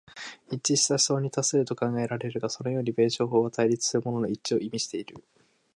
一致した思想に達すると考えられるが、そのように弁証法は対立するものの一致を意味している。